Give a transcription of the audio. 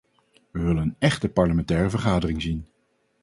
We willen een echte parlementaire vergadering zien.